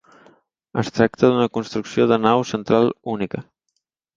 Es tracta d'una construcció de nau central única.